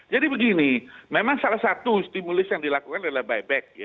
jadi begini memang salah satu stimulus yang dilakukan adalah buyback